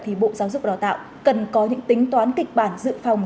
thì bộ giáo dục đào tạo cần có những tính toán kịch bản dự phòng